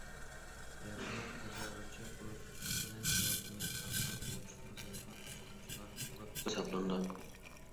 ياپونىيە تاجاۋۇزچى بولۇش سۈپىتى بىلەن ياپونىيە خەلقىمۇ ئۇرۇشنىڭ زىيىنىغا ئۇچرىغۇچىلار بولۇپ ھېسابلىنىدۇ.